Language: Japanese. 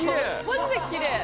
マジできれい！